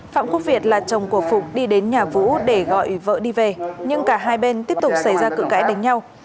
phạm quốc việt là chồng của phụng đi đến nhà vũ để gọi vợ đi về nhưng cả hai bên tiếp tục xảy ra cự cãi đánh nhau